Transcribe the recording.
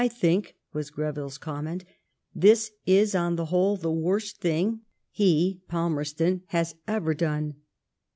I think," was Greville's comment, *' this is on the whole the worst thing he (Palmerston) has ever done."